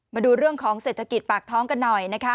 มาดูเรื่องของเศรษฐกิจปากท้องกันหน่อยนะคะ